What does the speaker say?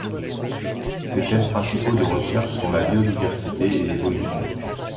Ses thèmes principaux de recherche sont la biodiversité et l'évolution.